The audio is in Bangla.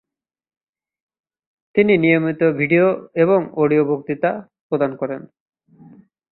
তিনি নিয়মিত ভিডিও এবং অডিও বক্তৃতা প্রদান করেন।